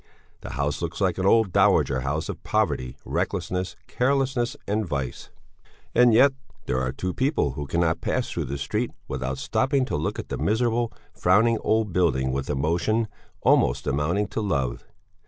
The house looks like an old dowager house of poverty, recklessness, carelessness, and vice. And yet there are two people who cannot pass through the street without stopping to look at the miserable, frowning old building with emotion almost amounting to love.